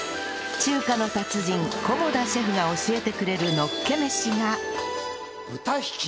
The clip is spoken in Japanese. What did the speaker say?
中華の達人菰田シェフが教えてくれるのっけ飯が